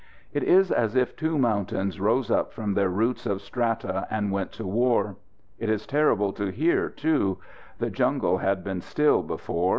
It is as if two mountains rose up from their roots of strata and went to war. It is terrible to hear, too. The jungle had been still before.